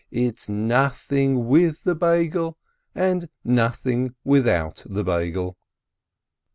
It's nothing with the Beigel and nothing without the Beigel !"